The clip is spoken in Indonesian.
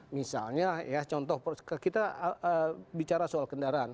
misalnya ya contoh kita bicara soal kendaraan